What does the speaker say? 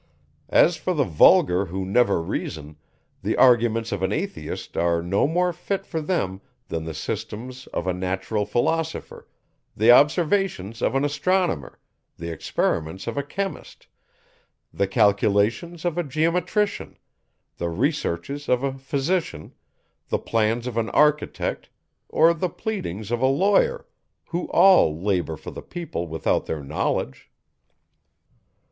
As for the vulgar who never reason, the arguments of an Atheist are no more fit for them than the systems of a natural philosopher, the observations of an astronomer, the experiments of a chemist, the calculations of a geometrician, the researches of a physician, the plans of an architect, or the pleadings of a lawyer, who all labour for the people without their knowledge.